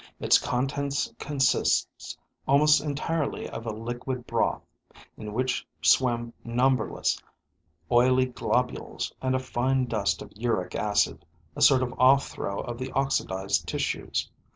Its contents consists almost entirely of a liquid broth, in which swim numberless oily globules and a fine dust of uric acid, a sort of off throw of the oxidized tissues.